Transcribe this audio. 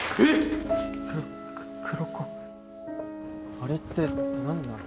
あれって何なの？